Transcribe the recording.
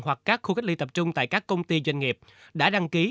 hoặc các khu cách ly tập trung tại các công ty doanh nghiệp đã đăng ký